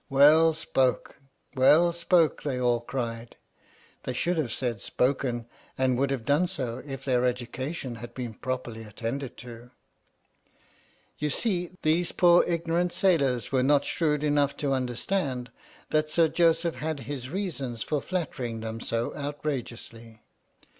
" Well spoke! Well spoke! " they all cried. (They should have said " spoken," and would have done so if their education had been properly attended to.) You see, these poor ignorant sailors were not shrewd enough to understand that Sir Joseph had his reasons for flattering them so outrageously.